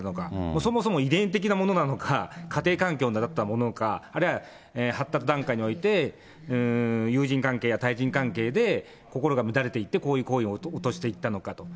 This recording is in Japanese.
そもそも遺伝的なものなのか、家庭環境だったものか、あるいは発達段階において友人関係や対人関係で心が乱れていって、こういう行為におとしていったのかと。